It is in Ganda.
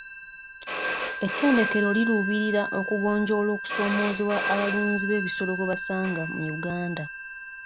Ettendekero liruubirira okugonjoola okusoomoozebwa abalunzi b'ebisolo kwe basanga mu Uganda.